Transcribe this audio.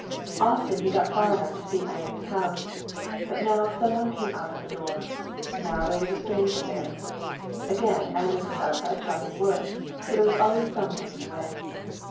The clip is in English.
Often he got far enough to see Anders' house; but now some one came out of the door; now there was a stranger there; again Anders was outside chopping wood, so there was always something in the way.